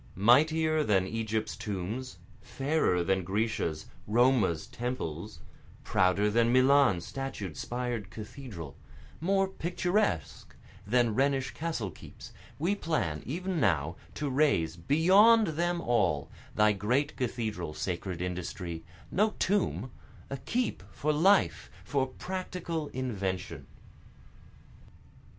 Mightier than Egypt's tombs, Fairer than Grecia's, Roma's temples, Prouder than Milan's statued, spired cathedral, More picturesque than Rhenish castle keeps, We plan even now to raise, beyond them all, Thy great cathedral sacred industry, no tomb, A keep for life for practical invention.